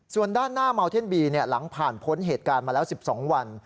ส่วนด้านหน้าเมาเท่นบีหลังผ่านพ้นเหตุการณ์มาแล้ว๑๒วัน